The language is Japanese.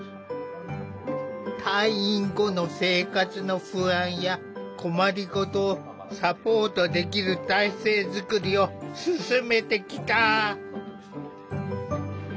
退院後の生活の不安や困りごとをサポートできる体制づくりを進めてきた。